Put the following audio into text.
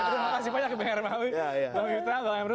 terima kasih banyak pak mita pak emro